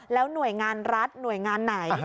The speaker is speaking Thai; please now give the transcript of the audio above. แล้วหน่วยงานรัฐหน่วยงานไหน